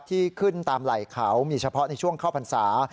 ที่ขึ้นตามไหล่เขามีเฉพาะในช่วงเข้าพรรษา